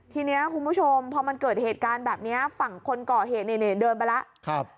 ทีนี้คุณผู้ชมพอมันเกิดเหตุการณ์แบบนี้ฝั่งคนก่อเหตุนี่เดินไปแล้ว